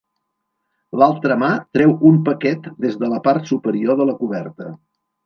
L'altra mà treu un paquet des de la part superior de la coberta.